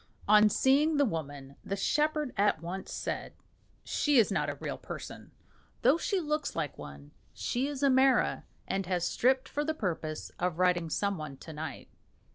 On seeing the woman the shepherd at once said, "She is not a real person, though she looks like one. She is a mara, and has stripped for the purpose of riding some one to night."